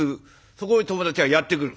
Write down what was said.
そこへ友達がやって来る。